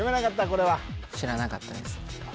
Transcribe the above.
これは知らなかったですね